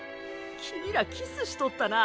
君らキスしとったな。